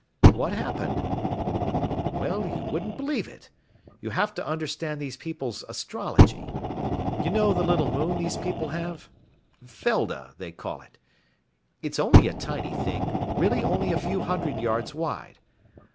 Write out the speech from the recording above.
"What happened?" "Well, you wouldn't believe it. You have to understand these people's astrology. You know the little moon these people have Felda, they call it it's only a tiny thing, really only a few hundred yards wide.